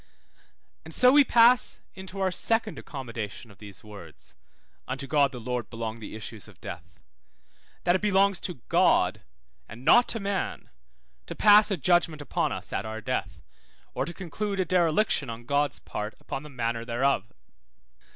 And so we pass unto our second accommodation of these words (unto God the Lord belong the issues of death); that it belongs to God, and not to man, to pass a judgment upon us at our death, or to conclude a dereliction on God's part upon the manner thereof.